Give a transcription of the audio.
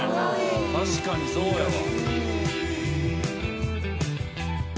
確かにそうやわ。